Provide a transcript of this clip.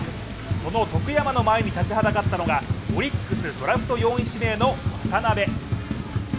その徳山の前に立ちはだかったのが、オリックス、ドラフト４位指名の渡部。